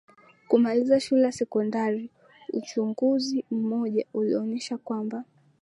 kumaliza shule ya sekondari Uchunguzi mmoja ulionyesha kwamba